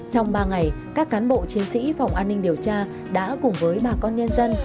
trong ba ngày các cán bộ chiến sĩ phòng an ninh điều tra đã cùng với bà con nhân dân